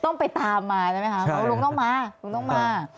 ต้องไปตามมาใช่ไหมค่ะคุณลุงต้องมา